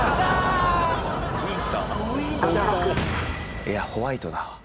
「いやホワイトだわ」